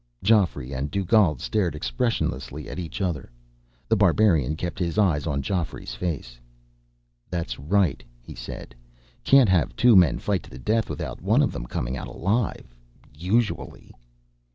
Geoffrey and Dugald stared expressionlessly at each other. The Barbarian kept his eyes on Geoffrey's face. "That's right," he said. "Can't have two men fight to the death without one of them coming out alive, usually."